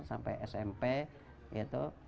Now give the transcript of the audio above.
sampai smp gitu